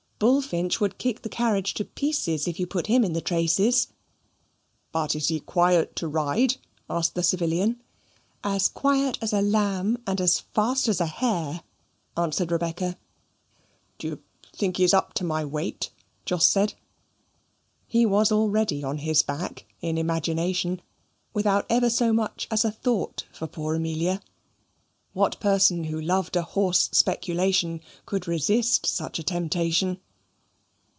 "Bullfinch would kick the carriage to pieces, if you put him in the traces." "But he is quiet to ride?" asked the civilian. "As quiet as a lamb, and as fast as a hare," answered Rebecca. "Do you think he is up to my weight?" Jos said. He was already on his back, in imagination, without ever so much as a thought for poor Amelia. What person who loved a horse speculation could resist such a temptation?